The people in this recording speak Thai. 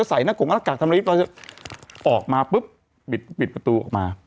ใส่หน้ากลุ่มธรรมดาวิทย์ออกมาปุ๊บปิดประตูออกมา